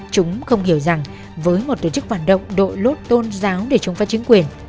chúng không hiểu rằng với một tổ chức phản động đội lốt tôn giáo để chống phá chính quyền